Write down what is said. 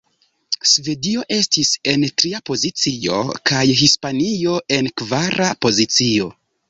Svedio estis en tria pozicio, kaj Hispanio en kvara pozicio.